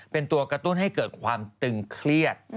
เป็นตัวกระตุ้นให้เกิดความตึงเครียด